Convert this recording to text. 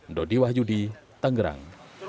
ndodi wahyudi tanggerang